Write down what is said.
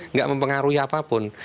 nggak mempengaruhi apapun